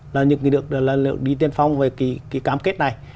là những người nước đi tiên phong về cái cam kết này